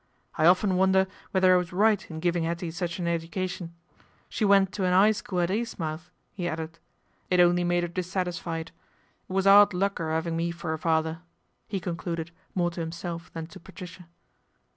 " I often wonder whether I was ht in giving 'Ettie such an education. She went o an 'Igh School at Eastmouth," he added. " It nly made 'er dissatisfied. It was 'ard luck 'er iving me for a father," he concluded more to him elf than to Patricia.